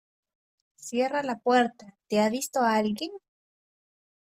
cierra la puerta. ¿ te ha visto alguien?